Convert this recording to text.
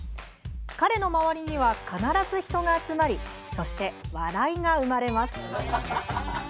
彼の周りには必ず人が集まりそして、笑いが生まれます。